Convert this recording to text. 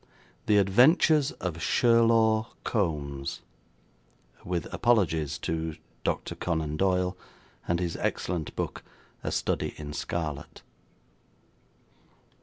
The Adventures of Sherlaw Kombs (With apologies to Dr. Conan Doyle, and his excellent book, 'A Study in Scarlet'.)